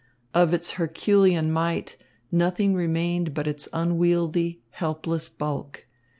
Of its herculean might, nothing remained but its unwieldy, helpless bulk.